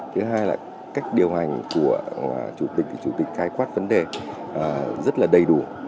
thứ hai là cách điều hành của chủ tịch chủ tịch khái quát vấn đề rất là đầy đủ